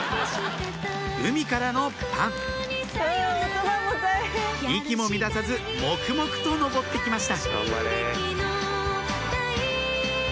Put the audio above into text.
海からのパン息も乱さず黙々と登って来ました